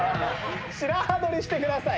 白刃取りしてください。